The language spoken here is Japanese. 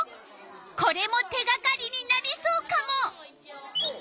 これも手がかりになりそうカモ！